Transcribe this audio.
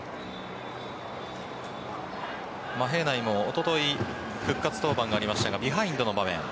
平内もおととい復活登板がありましたがビハインドの場面